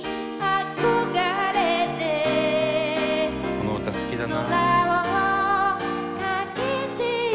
「この歌好きだな」